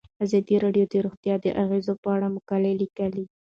ازادي راډیو د روغتیا د اغیزو په اړه مقالو لیکلي.